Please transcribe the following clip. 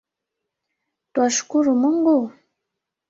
Twashkuru Mungu?